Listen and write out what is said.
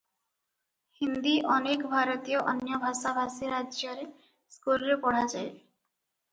ହିନ୍ଦୀ ଅନେକ ଭାରତୀୟ ଅନ୍ୟ ଭାଷାଭାଷୀ ରାଜ୍ୟରେ ସ୍କୁଲରେ ପଢ଼ାଯାଏ ।